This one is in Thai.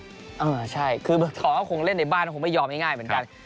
เออใช่คือเมืองทองก็คงเล่นในบ้านก็คงไม่ยอมง่ายเหมือนกัน